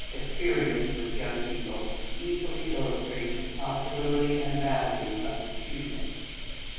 Experience, with young people, easily illustrates the possibility and value of diffusion.